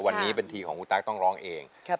วันนี้เป็นทีของคุณตั๊กต้องร้องเอง